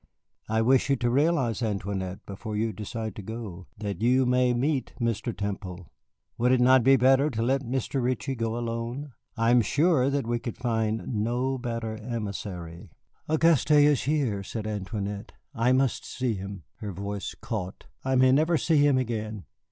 I wish you to realize, Antoinette, before you decide to go, that you may meet Mr. Temple. Would it not be better to let Mr. Ritchie go alone? I am sure that we could find no better emissary." "Auguste is here," said Antoinette. "I must see him." Her voice caught. "I may never see him again.